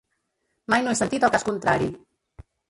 Mai no he sentit el cas contrari.